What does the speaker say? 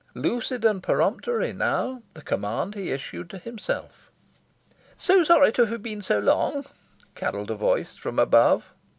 Lucid and peremptory, now, the command he issued to himself. "So sorry to have been so long," carolled a voice from above.